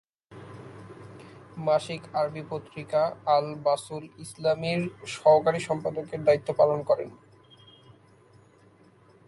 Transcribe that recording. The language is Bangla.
মাসিক আরবি পত্রিকা ‘"আল-বাসুল ইসলামি"’র সহকারী সম্পাদকের দায়িত্বও পালন করেন।